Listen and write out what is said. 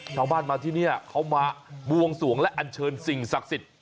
ชาวบ้านมาที่นี่เขามาบวงสวงและอันเชิญสิ่งศักดิ์สิทธิ์